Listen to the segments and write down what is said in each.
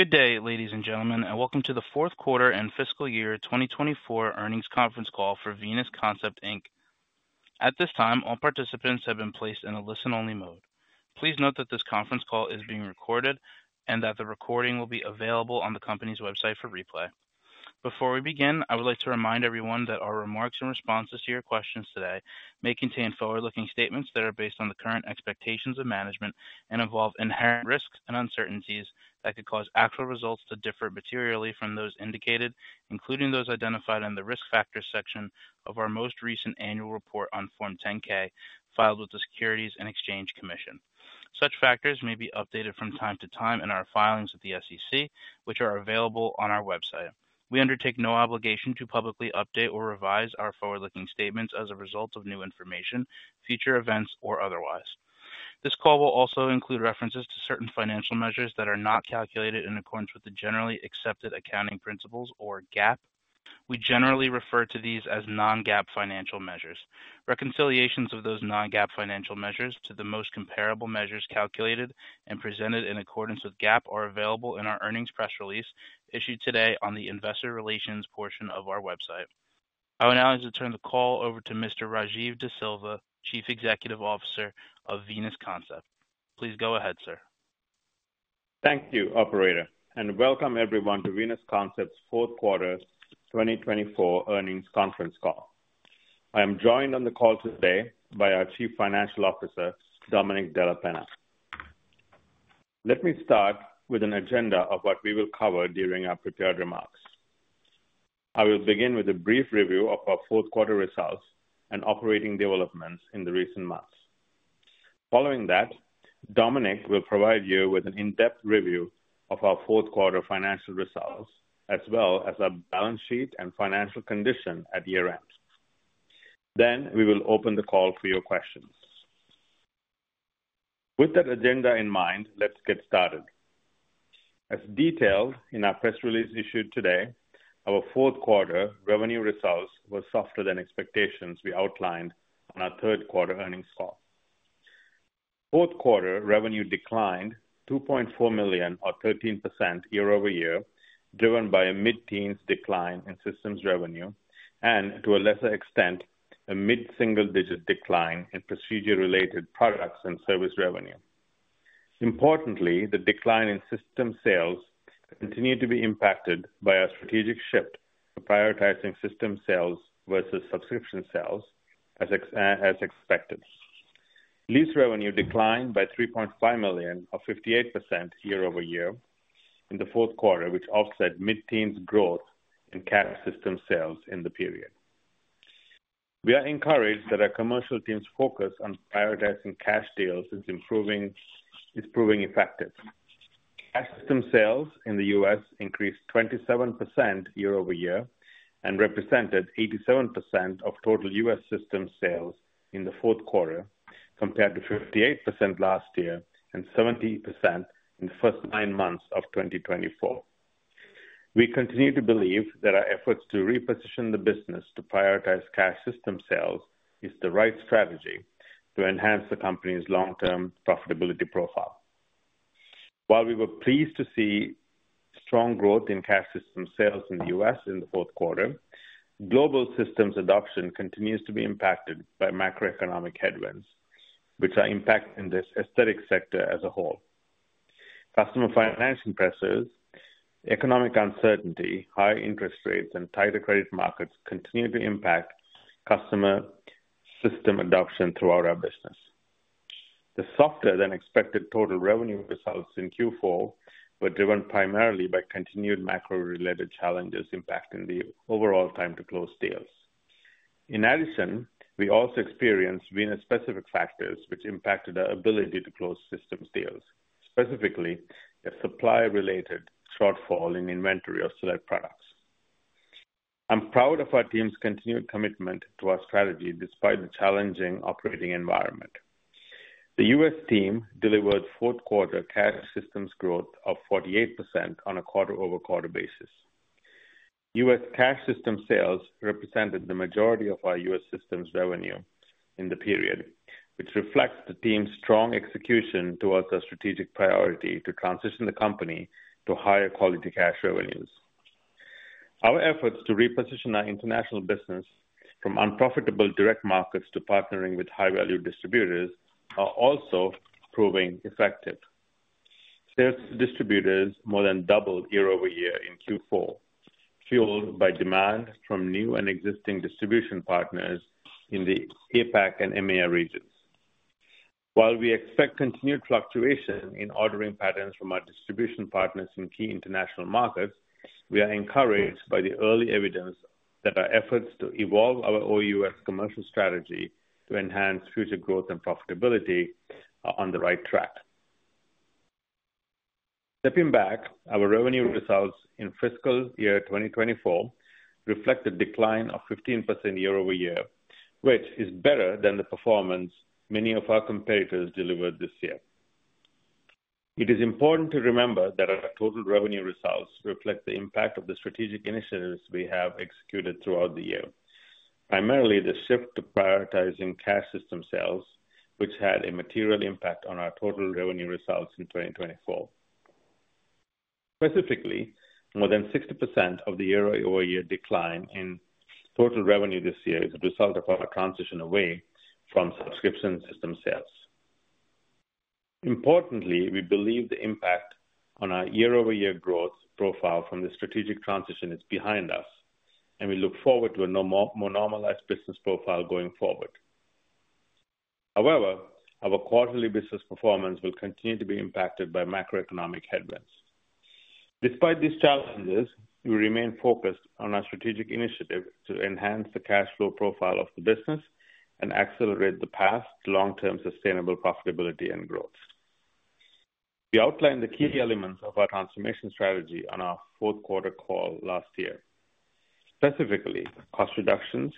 Good day, ladies and gentlemen, and welcome to the fourth quarter and fiscal year 2024 earnings conference call for Venus Concept Inc. At this time, all participants have been placed in a listen-only mode. Please note that this conference call is being recorded and that the recording will be available on the company's website for replay. Before we begin, I would like to remind everyone that our remarks and responses to your questions today may contain forward-looking statements that are based on the current expectations of management and involve inherent risks and uncertainties that could cause actual results to differ materially from those indicated, including those identified in the risk factors section of our most recent annual report on Form 10-K filed with the Securities and Exchange Commission. Such factors may be updated from time to time in our filings at the SEC, which are available on our website. We undertake no obligation to publicly update or revise our forward-looking statements as a result of new information, future events, or otherwise. This call will also include references to certain financial measures that are not calculated in accordance with the Generally Accepted Accounting Principles, or GAAP. We generally refer to these as non-GAAP financial measures. Reconciliations of those non-GAAP financial measures to the most comparable measures calculated and presented in accordance with GAAP are available in our earnings press release issued today on the Investor Relations portion of our website. I will now like to turn the call over to Mr. Rajiv De Silva, Chief Executive Officer of Venus Concept. Please go ahead, sir. Thank you, Operator, and welcome everyone to Venus Concept's fourth quarter 2024 earnings conference call. I am joined on the call today by our Chief Financial Officer, Domenic Della Penna. Let me start with an agenda of what we will cover during our prepared remarks. I will begin with a brief review of our fourth quarter results and operating developments in the recent months. Following that, Domenic will provide you with an in-depth review of our fourth quarter financial results, as well as our balance sheet and financial condition at year-end. We will open the call for your questions. With that agenda in mind, let's get started. As detailed in our press release issued today, our fourth quarter revenue results were softer than expectations we outlined on our third quarter earnings call. Fourth quarter revenue declined $2.4 million, or 13% year-over-year, driven by a mid-teens decline in systems revenue and, to a lesser extent, a mid-single-digit decline in procedure-related products and service revenue. Importantly, the decline in system sales continued to be impacted by our strategic shift to prioritizing system sales versus subscription sales, as expected. Lease revenue declined by $3.5 million, or 58% year-over-year, in the fourth quarter, which offset mid-teens growth in cash system sales in the period. We are encouraged that our commercial teams' focus on prioritizing cash deals is proving effective. Cash system sales in the U.S. increased 27% year-over-year and represented 87% of total U.S. system sales in the fourth quarter, compared to 58% last year and 70% in the first nine months of 2024. We continue to believe that our efforts to reposition the business to prioritize cash system sales is the right strategy to enhance the company's long-term profitability profile. While we were pleased to see strong growth in cash system sales in the U.S. in the fourth quarter, global systems adoption continues to be impacted by macroeconomic headwinds, which are impacting this aesthetic sector as a whole. Customer financing pressures, economic uncertainty, high interest rates, and tighter credit markets continue to impact customer system adoption throughout our business. The softer-than-expected total revenue results in Q4 were driven primarily by continued macro-related challenges impacting the overall time-to-close deals. In addition, we also experienced Venus-specific factors which impacted our ability to close systems deals, specifically a supply-related shortfall in inventory of select products. I'm proud of our team's continued commitment to our strategy despite the challenging operating environment. The U.S. team delivered fourth quarter cash systems growth of 48% on a quarter-over-quarter basis. U.S. cash system sales represented the majority of our U.S. systems revenue in the period, which reflects the team's strong execution towards our strategic priority to transition the company to higher quality cash revenues. Our efforts to reposition our international business from unprofitable direct markets to partnering with high-value distributors are also proving effective. Sales to distributors more than doubled year-over-year in Q4, fueled by demand from new and existing distribution partners in the APAC and EMEA regions. While we expect continued fluctuation in ordering patterns from our distribution partners in key international markets, we are encouraged by the early evidence that our efforts to evolve our OUS commercial strategy to enhance future growth and profitability are on the right track. Stepping back, our revenue results in fiscal year 2024 reflect a decline of 15% year-over-year, which is better than the performance many of our competitors delivered this year. It is important to remember that our total revenue results reflect the impact of the strategic initiatives we have executed throughout the year, primarily the shift to prioritizing cash system sales, which had a material impact on our total revenue results in 2024. Specifically, more than 60% of the year-over-year decline in total revenue this year is a result of our transition away from subscription system sales. Importantly, we believe the impact on our year-over-year growth profile from the strategic transition is behind us, and we look forward to a more normalized business profile going forward. However, our quarterly business performance will continue to be impacted by macroeconomic headwinds. Despite these challenges, we remain focused on our strategic initiative to enhance the cash flow profile of the business and accelerate the path to long-term sustainable profitability and growth. We outlined the key elements of our transformation strategy on our fourth quarter call last year, specifically cost reductions,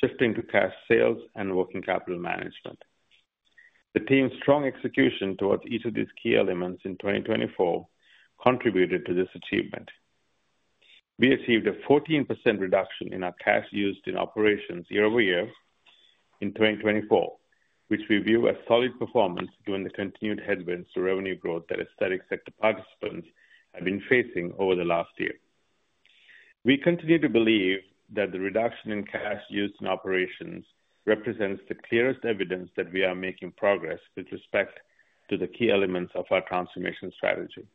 shifting to cash sales, and working capital management. The team's strong execution towards each of these key elements in 2024 contributed to this achievement. We achieved a 14% reduction in our cash used in operations year-over-year in 2024, which we view as solid performance given the continued headwinds to revenue growth that aesthetic sector participants had been facing over the last year. We continue to believe that the reduction in cash used in operations represents the clearest evidence that we are making progress with respect to the key elements of our transformation strategy.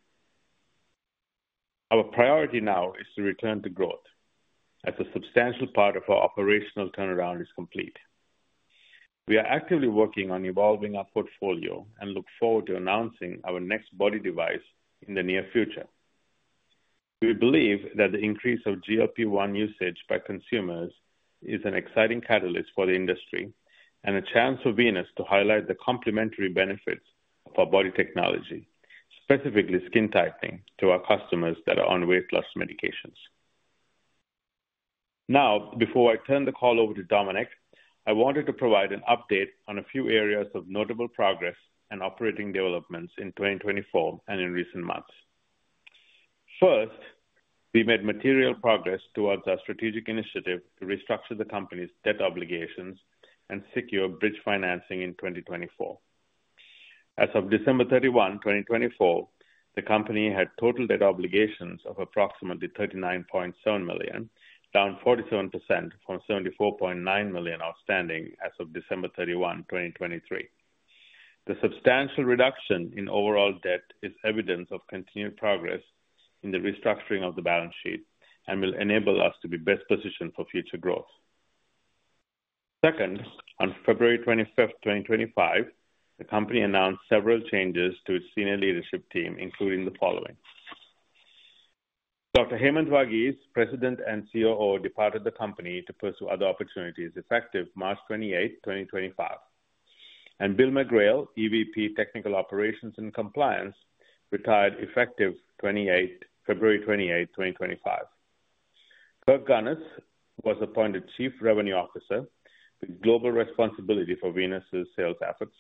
Our priority now is to return to growth, as a substantial part of our operational turnaround is complete. We are actively working on evolving our portfolio and look forward to announcing our next body device in the near future. We believe that the increase of GLP-1 usage by consumers is an exciting catalyst for the industry and a chance for Venus to highlight the complementary benefits of our body technology, specifically skin tightening, to our customers that are on weight loss medications. Now, before I turn the call over to Domenic, I wanted to provide an update on a few areas of notable progress and operating developments in 2024 and in recent months. First, we made material progress towards our strategic initiative to restructure the company's debt obligations and secure bridge financing in 2024. As of December 31, 2024, the company had total debt obligations of approximately $39.7 million, down 47% from $74.9 million outstanding as of December 31, 2023. The substantial reduction in overall debt is evidence of continued progress in the restructuring of the balance sheet and will enable us to be best positioned for future growth. Second, on February 25, 2025, the company announced several changes to its senior leadership team, including the following: Dr. Hemanth Varghese, President and COO, departed the company to pursue other opportunities effective March 28, 2025, and Bill McGrail, EVP Technical Operations and Compliance, retired effective February 28, 2025. Kirk Gunhus was appointed Chief Revenue Officer with global responsibility for Venus's sales efforts.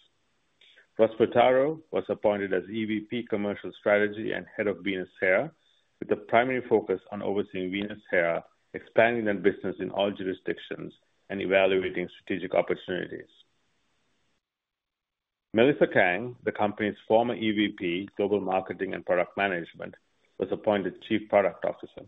Ross Portaro was appointed as EVP Commercial Strategy and Head of Venus Hair, with a primary focus on overseeing Venus Hair, expanding their business in all jurisdictions, and evaluating strategic opportunities. Melissa Kang, the company's former EVP, Global Marketing and Product Management, was appointed Chief Product Officer.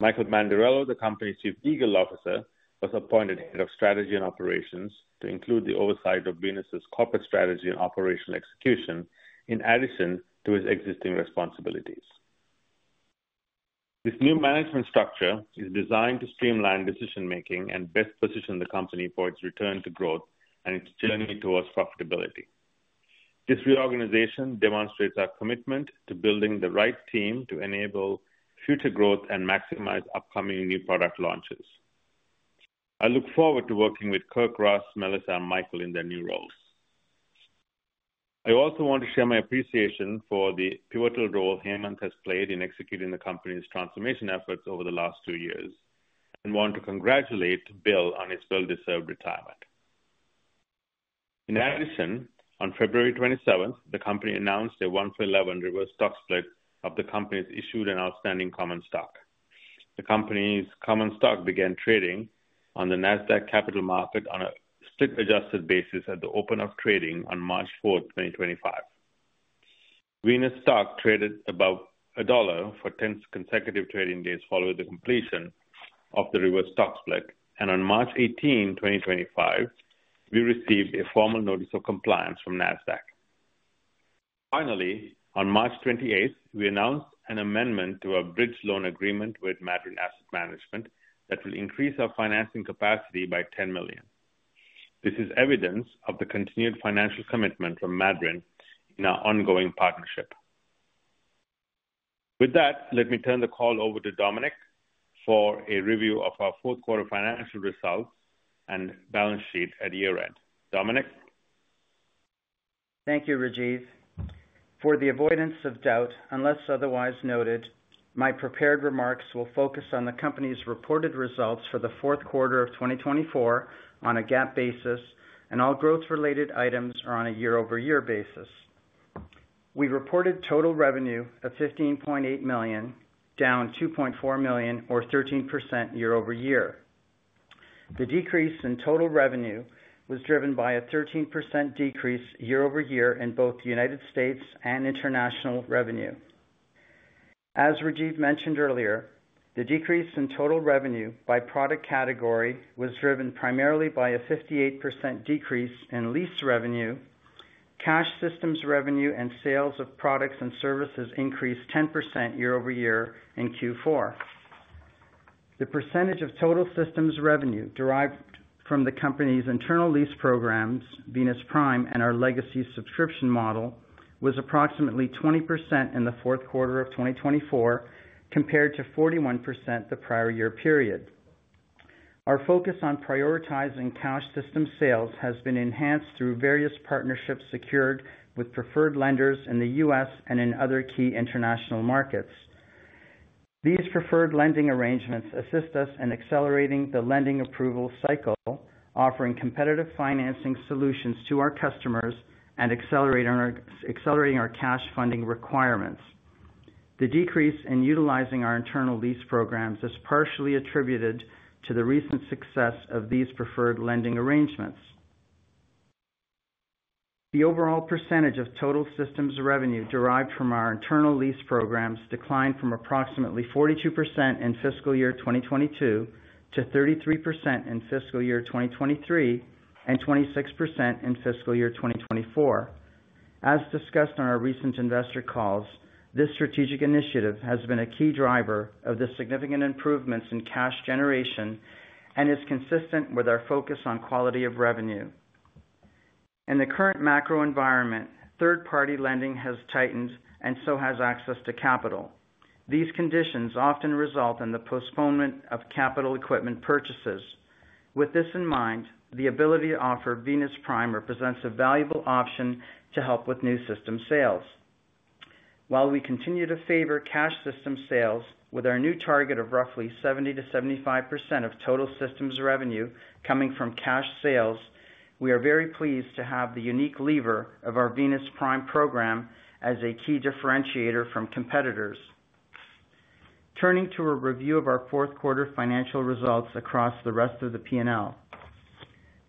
Michael Mandarello, the company's Chief Legal Officer, was appointed Head of Strategy and Operations to include the oversight of Venus's corporate strategy and operational execution, in addition to his existing responsibilities. This new management structure is designed to streamline decision-making and best position the company for its return to growth and its journey towards profitability. This reorganization demonstrates our commitment to building the right team to enable future growth and maximize upcoming new product launches. I look forward to working with Kirk, Ross, Melissa, and Michael in their new roles. I also want to share my appreciation for the pivotal role Hemanth has played in executing the company's transformation efforts over the last two years and want to congratulate Bill on his well-deserved retirement. In addition, on February 27, the company announced a 1-for-11 reverse stock split of the company's issued and outstanding common stock. The company's common stock began trading on the NASDAQ Capital Market on a split-adjusted basis at the open of trading on March 4, 2025. Venus stock traded above $1 for 10 consecutive trading days following the completion of the reverse stock split, and on March 18, 2025, we received a formal notice of compliance from NASDAQ. Finally, on March 28, we announced an amendment to our bridge loan agreement with Madryn Asset Management that will increase our financing capacity by $10 million. This is evidence of the continued financial commitment from Madryn in our ongoing partnership. With that, let me turn the call over to Domenic for a review of our fourth quarter financial results and balance sheet at year-end. Domenic? Thank you, Rajiv. For the avoidance of doubt, unless otherwise noted, my prepared remarks will focus on the company's reported results for the fourth quarter of 2024 on a GAAP basis, and all growth-related items are on a year-over-year basis. We reported total revenue of $15.8 million, down $2.4 million, or 13% year-over-year. The decrease in total revenue was driven by a 13% decrease year-over-year in both United States and international revenue. As Rajiv mentioned earlier, the decrease in total revenue by product category was driven primarily by a 58% decrease in lease revenue. Cash systems revenue and sales of products and services increased 10% year-over-year in Q4. The percentage of total systems revenue derived from the company's internal lease programs, Venus Prime and our legacy subscription model, was approximately 20% in the fourth quarter of 2024, compared to 41% the prior year period. Our focus on prioritizing cash system sales has been enhanced through various partnerships secured with preferred lenders in the US and in other key international markets. These preferred lending arrangements assist us in accelerating the lending approval cycle, offering competitive financing solutions to our customers and accelerating our cash funding requirements. The decrease in utilizing our internal lease programs is partially attributed to the recent success of these preferred lending arrangements. The overall percentage of total systems revenue derived from our internal lease programs declined from approximately 42% in fiscal year 2022 to 33% in fiscal year 2023 and 26% in fiscal year 2024. As discussed on our recent investor calls, this strategic initiative has been a key driver of the significant improvements in cash generation and is consistent with our focus on quality of revenue. In the current macro environment, third-party lending has tightened, and so has access to capital. These conditions often result in the postponement of capital equipment purchases. With this in mind, the ability to offer Venus Prime represents a valuable option to help with new system sales. While we continue to favor cash system sales with our new target of roughly 70%-75% of total systems revenue coming from cash sales, we are very pleased to have the unique lever of our Venus Prime program as a key differentiator from competitors. Turning to a review of our fourth quarter financial results across the rest of the P&L,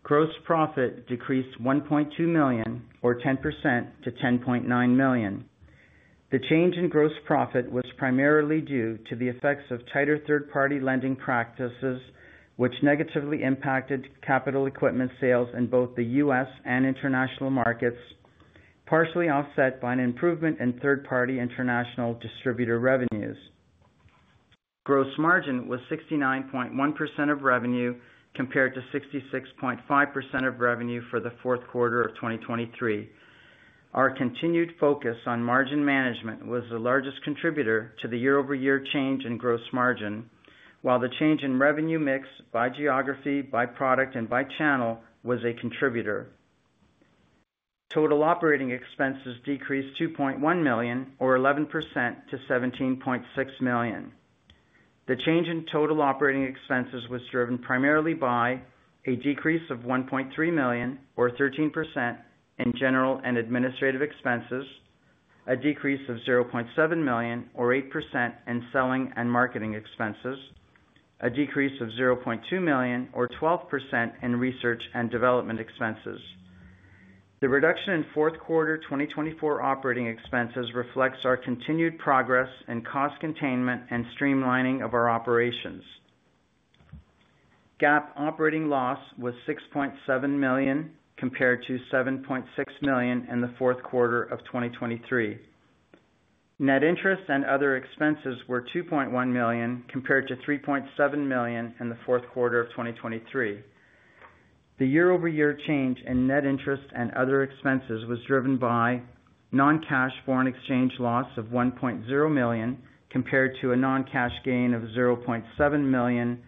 gross profit decreased $1.2 million, or 10%, to $10.9 million. The change in gross profit was primarily due to the effects of tighter third-party lending practices, which negatively impacted capital equipment sales in both the U.S. and international markets, partially offset by an improvement in third-party international distributor revenues. Gross margin was 69.1% of revenue compared to 66.5% of revenue for the fourth quarter of 2023. Our continued focus on margin management was the largest contributor to the year-over-year change in gross margin, while the change in revenue mix by geography, by product, and by channel was a contributor. Total operating expenses decreased $2.1 million, or 11%, to $17.6 million. The change in total operating expenses was driven primarily by a decrease of $1.3 million, or 13%, in general and administrative expenses, a decrease of $0.7 million, or 8%, in selling and marketing expenses, a decrease of $0.2 million, or 12%, in research and development expenses. The reduction in fourth quarter 2024 operating expenses reflects our continued progress in cost containment and streamlining of our operations. GAAP operating loss was $6.7 million compared to $7.6 million in the fourth quarter of 2023. Net interest and other expenses were $2.1 million compared to $3.7 million in the fourth quarter of 2023. The year-over-year change in net interest and other expenses was driven by non-cash foreign exchange loss of $1.0 million compared to a non-cash gain of $0.7 million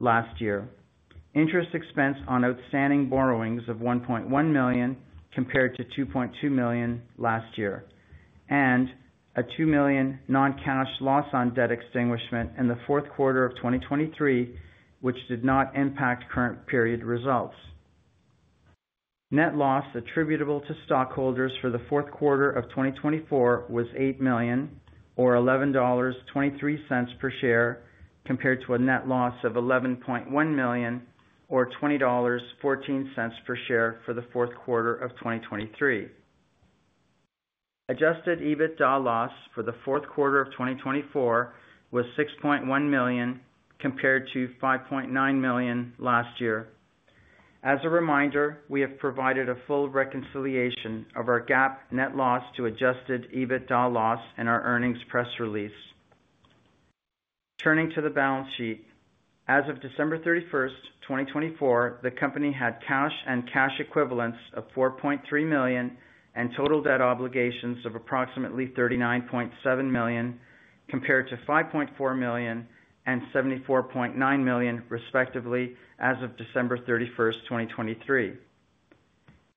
last year, interest expense on outstanding borrowings of $1.1 million compared to $2.2 million last year, and a $2.0 million non-cash loss on debt extinguishment in the fourth quarter of 2023, which did not impact current period results. Net loss attributable to stockholders for the fourth quarter of 2024 was $8 million, or $11.23 per share, compared to a net loss of $11.1 million, or $20.14 per share for the fourth quarter of 2023. Adjusted EBITDA loss for the fourth quarter of 2024 was $6.1 million compared to $5.9 million last year. As a reminder, we have provided a full reconciliation of our GAAP net loss to adjusted EBITDA loss in our earnings press release. Turning to the balance sheet, as of December 31, 2024, the company had cash and cash equivalents of $4.3 million and total debt obligations of approximately $39.7 million compared to $5.4 million and $74.9 million, respectively, as of December 31, 2023.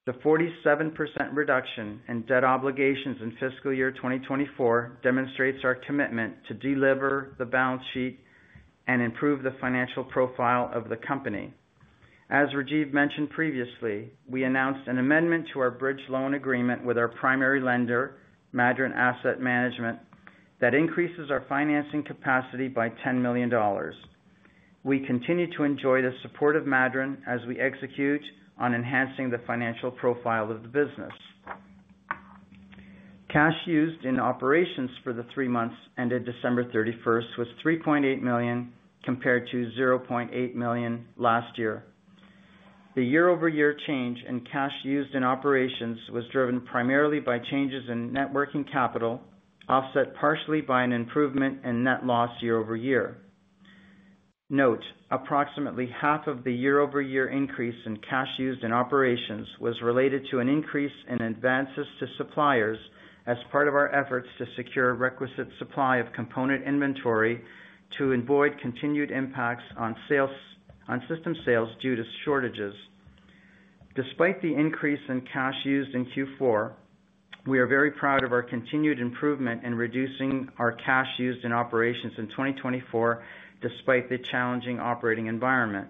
The 47% reduction in debt obligations in fiscal year 2024 demonstrates our commitment to delever the balance sheet and improve the financial profile of the company. As Rajiv mentioned previously, we announced an amendment to our bridge loan agreement with our primary lender, Madryn Asset Management, that increases our financing capacity by $10 million. We continue to enjoy the support of Madryn as we execute on enhancing the financial profile of the business. Cash used in operations for the three months ended December 31 was $3.8 million compared to $0.8 million last year. The year-over-year change in cash used in operations was driven primarily by changes in net working capital, offset partially by an improvement in net loss year-over-year. Note, approximately half of the year-over-year increase in cash used in operations was related to an increase in advances to suppliers as part of our efforts to secure requisite supply of component inventory to avoid continued impacts on system sales due to shortages. Despite the increase in cash used in Q4, we are very proud of our continued improvement in reducing our cash used in operations in 2024 despite the challenging operating environment.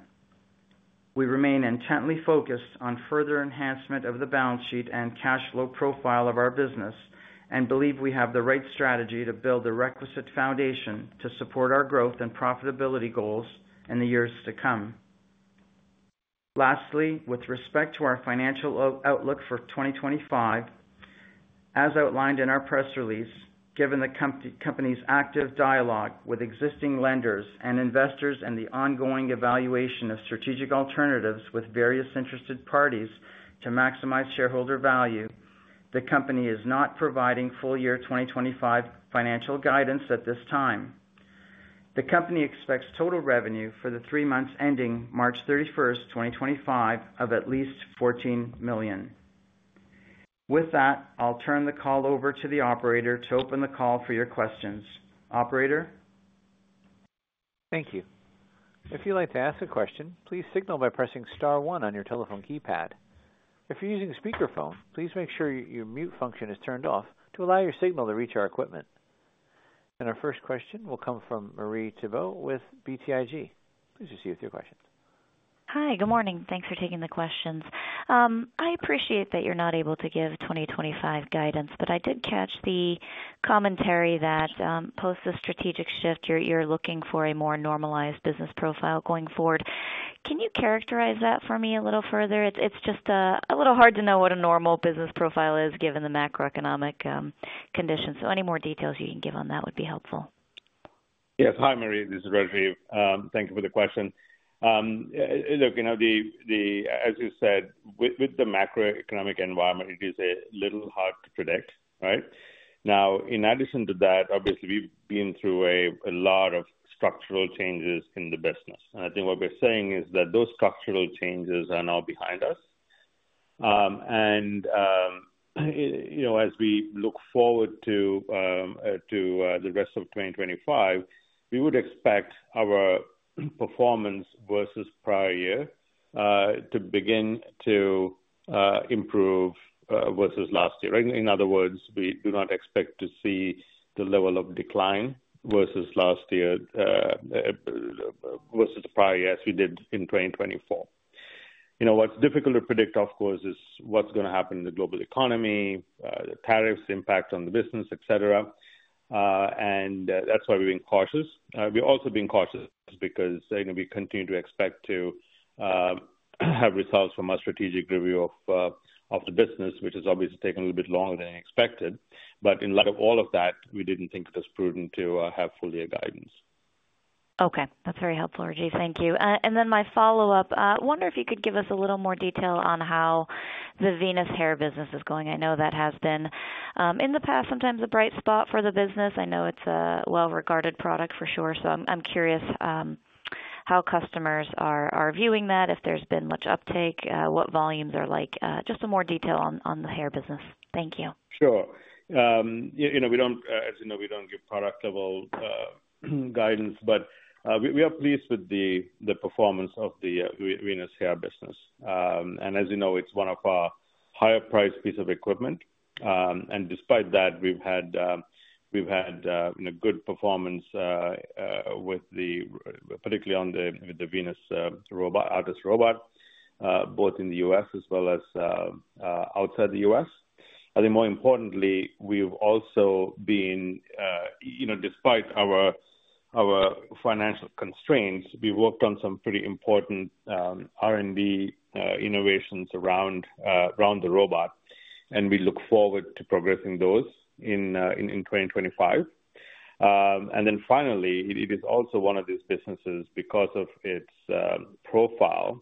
We remain intently focused on further enhancement of the balance sheet and cash flow profile of our business and believe we have the right strategy to build the requisite foundation to support our growth and profitability goals in the years to come. Lastly, with respect to our financial outlook for 2025, as outlined in our press release, given the company's active dialogue with existing lenders and investors and the ongoing evaluation of strategic alternatives with various interested parties to maximize shareholder value, the company is not providing full year 2025 financial guidance at this time. The company expects total revenue for the three months ending March 31, 2025, of at least $14 million. With that, I'll turn the call over to the operator to open the call for your questions. Operator? Thank you. If you'd like to ask a question, please signal by pressing star one on your telephone keypad. If you're using speakerphone, please make sure your mute function is turned off to allow your signal to reach our equipment. Our first question will come from Marie Thibault with BTIG. Please proceed with your questions. Hi, good morning. Thanks for taking the questions. I appreciate that you're not able to give 2025 guidance, but I did catch the commentary that post the strategic shift, you're looking for a more normalized business profile going forward. Can you characterize that for me a little further? It's just a little hard to know what a normal business profile is given the macroeconomic conditions. Any more details you can give on that would be helpful. Yes. Hi, Marie. This is Rajiv. Thank you for the question. Look, you know, as you said, with the macroeconomic environment, it is a little hard to predict, right? Now, in addition to that, obviously, we've been through a lot of structural changes in the business. I think what we're saying is that those structural changes are now behind us. As we look forward to the rest of 2025, we would expect our performance versus prior year to begin to improve versus last year. In other words, we do not expect to see the level of decline versus last year versus prior year as we did in 2024. You know, what's difficult to predict, of course, is what's going to happen in the global economy, the tariffs' impact on the business, et cetera. That's why we've been cautious. We've also been cautious because we continue to expect to have results from our strategic review of the business, which has obviously taken a little bit longer than expected. In light of all of that, we didn't think it was prudent to have full year guidance. Okay. That's very helpful, Rajiv. Thank you. My follow-up, I wonder if you could give us a little more detail on how the Venus Hair business is going. I know that has been, in the past, sometimes a bright spot for the business. I know it's a well-regarded product for sure. I am curious how customers are viewing that, if there's been much uptake, what volumes are like. Just some more detail on the hair business. Thank you. Sure. You know we don't, as you know, we don't give product-level guidance, but we are pleased with the performance of the Venus Hair business. And as you know, it's one of our higher-priced pieces of equipment. Despite that, we've had good performance, particularly on the Venus ARTAS robot, both in the U.S. as well as outside the U.S. I think more importantly, we've also been, despite our financial constraints, we've worked on some pretty important R&D innovations around the robot. We look forward to progressing those in 2025. Finally, it is also one of these businesses because of its profile.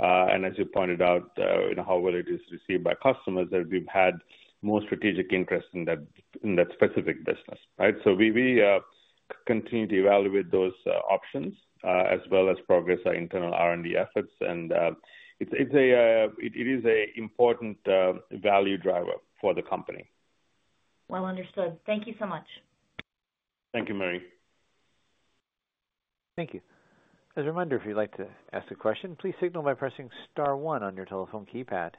As you pointed out, how well it is received by customers, we've had more strategic interest in that specific business. We continue to evaluate those options as well as progress our internal R&D efforts. It is an important value driver for the company. Understood. Thank you so much. Thank you, Marie. Thank you. As a reminder, if you'd like to ask a question, please signal by pressing star one on your telephone keypad.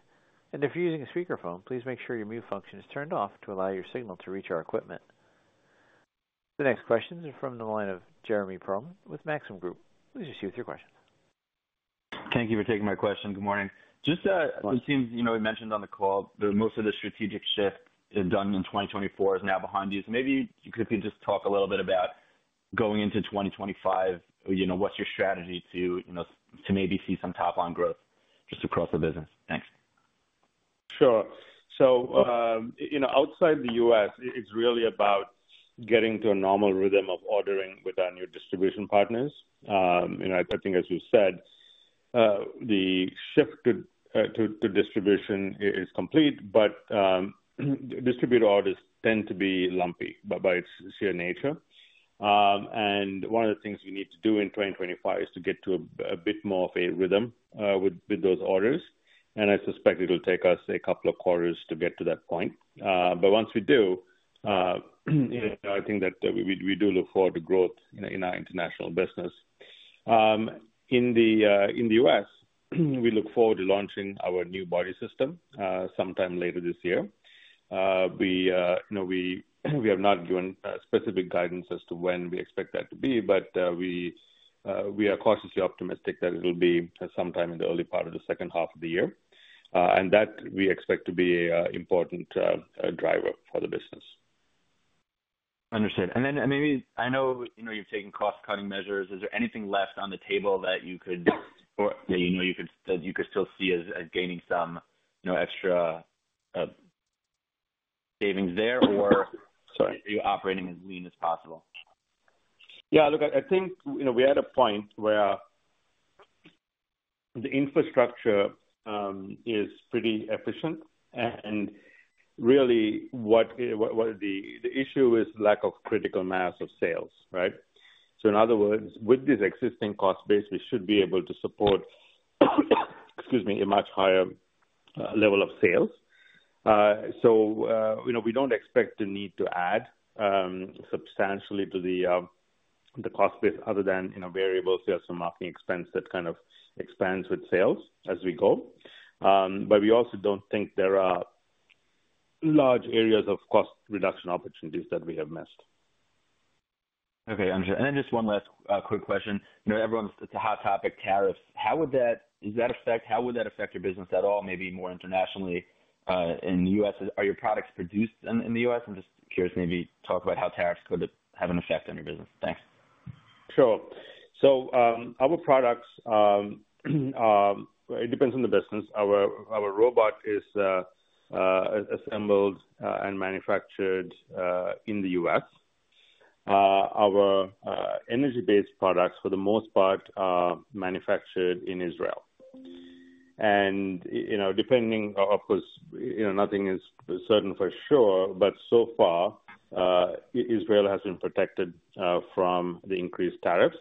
If you're using a speakerphone, please make sure your mute function is turned off to allow your signal to reach our equipment. The next question is from the line of Jeremy Pearlman with Maxim Group. Please proceed with your question. Thank you for taking my question. Good morning. Just as you mentioned on the call, most of the strategic shift done in 2024 is now behind you. Maybe you could just talk a little bit about going into 2025, what's your strategy to maybe see some top-line growth just across the business? Thanks. Sure. Outside the U.S., it's really about getting to a normal rhythm of ordering with our new distribution partners. I think, as you said, the shift to distribution is complete, but distributor orders tend to be lumpy by its sheer nature. One of the things we need to do in 2025 is to get to a bit more of a rhythm with those orders. I suspect it'll take us a couple of quarters to get to that point. Once we do, I think that we do look forward to growth in our international business. In the U.S., we look forward to launching our new body system sometime later this year. We have not given specific guidance as to when we expect that to be, but we are cautiously optimistic that it'll be sometime in the early part of the second half of the year. We expect that to be an important driver for the business. Understood. Maybe I know you've taken cost-cutting measures. Is there anything left on the table that you could, or that you could still see as gaining some extra savings there, or are you operating as lean as possible? Yeah. Look, I think we're at a point where the infrastructure is pretty efficient. Really, the issue is lack of critical mass of sales, right? In other words, with this existing cost base, we should be able to support, excuse me, a much higher level of sales. We don't expect the need to add substantially to the cost base other than variables. There's some marketing expense that kind of expands with sales as we go. We also don't think there are large areas of cost reduction opportunities that we have missed. Okay. Understood. Just one last quick question. It's a hot topic, tariffs. How would that affect your business at all, maybe more internationally? In the U.S., are your products produced in the U.S.? I'm just curious, maybe talk about how tariffs could have an effect on your business. Thanks. Sure. Our products, it depends on the business. Our robot is assembled and manufactured in the U.S. Our energy-based products, for the most part, are manufactured in Israel. Depending, of course, nothing is certain for sure, but so far, Israel has been protected from the increased tariffs.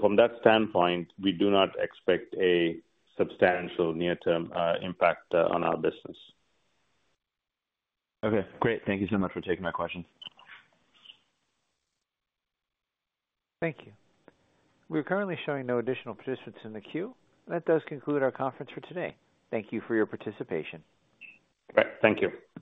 From that standpoint, we do not expect a substantial near-term impact on our business. Okay. Great. Thank you so much for taking my questions. Thank you. We're currently showing no additional participants in the queue. That does conclude our conference for today. Thank you for your participation. All right. Thank you.